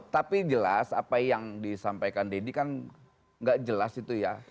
tapi jelas apa yang disampaikan deddy kan nggak jelas itu ya